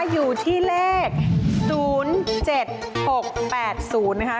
อยู่ที่เลข๐๗๖๘๐นะคะ